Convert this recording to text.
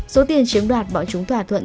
số tiền chiếm đoạt bỏ chúng thỏa thuận